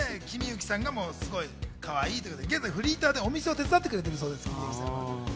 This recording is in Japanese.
喜美之さんがすごいかわいいということで、現在フリーターでお店を手伝ってくれているということで。